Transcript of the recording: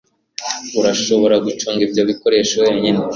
Urashobora gucunga ibyo bikoresho wenyine